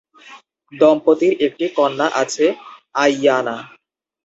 দম্পতির একটি কন্যা আছে, আয়ইয়ানা।